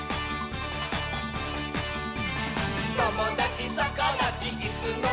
「ともだちさかだちいすのまち」